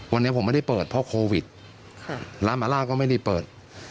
วันนี้ผมไม่ได้เปิดเพราะโควิดร้านมาล่าก็ไม่ได้เปิด